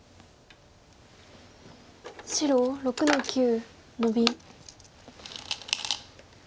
白６の九ノビ。